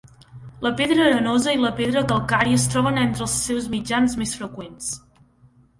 La pedra arenosa i la pedra calcària es troben entre els seus mitjans més freqüents.